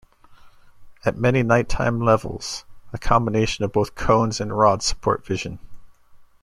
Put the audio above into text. At many night-time levels, a combination of both cones and rods supports vision.